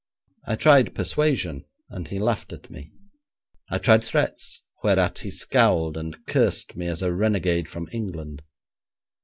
I tried persuasion, and he laughed at me; I tried threats, whereat he scowled and cursed me as a renegade from England.